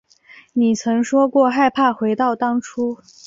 你曾说过害怕回到当初